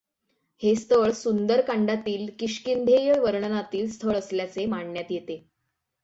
हे स्थळ सुंदरकांडातील किष्किंधेय वर्णनातील स्थळ असल्याचे मानण्यात येते.